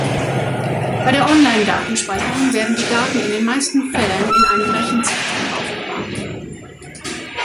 Bei der Online-Datenspeicherung werden die Daten in den meisten Fällen in einem Rechenzentrum aufbewahrt.